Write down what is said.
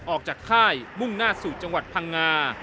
ออกจากค่ายมุ่งหน้าสู่จังหวัดพังงา